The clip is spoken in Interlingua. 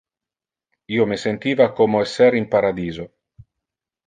Io me sentiva como esser in paradiso.